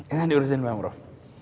ini yang diurusin pemprov